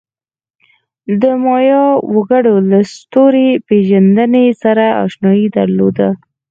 د مایا وګړو له ستوري پېژندنې سره آشنایي درلوده.